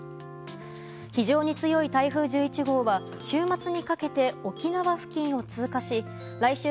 非常に強い台風１１号は週末にかけて沖縄付近を通過し来週